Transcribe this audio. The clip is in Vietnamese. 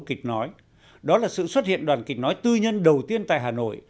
kịch nói đó là sự xuất hiện đoàn kịch nói tư nhân đầu tiên tại hà nội